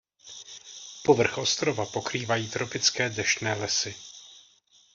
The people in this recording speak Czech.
Povrch ostrova pokrývají tropické deštné lesy.